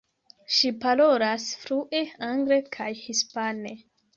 Ŝi parolas flue angle kaj hispane.